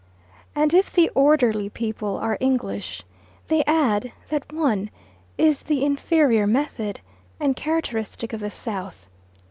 And if the orderly people are English, they add that (1) is the inferior method, and characteristic of the South.